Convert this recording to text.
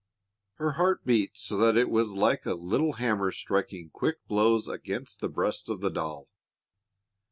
Her heart beat so that it was like a little hammer striking quick blows against the breast of the doll.